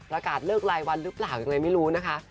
อากาศเลิกรายวันหรือเปล่ายังไงไม่รู้นะคะ